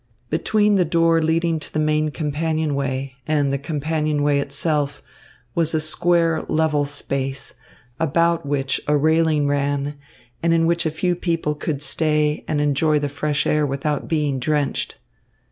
Between the door leading to the main companionway and the companionway itself was a square level space, about which a railing ran and in which a few people could stay and enjoy the fresh air without being drenched.